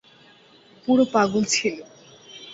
পুরো পাগল ছিলো।